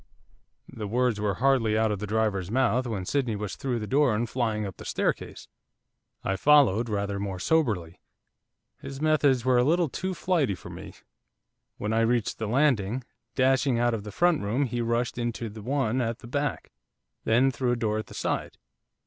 The words were hardly out of the driver's mouth when Sydney was through the door and flying up the staircase. I followed rather more soberly, his methods were a little too flighty for me. When I reached the landing, dashing out of the front room he rushed into the one at the back, then through a door at the side.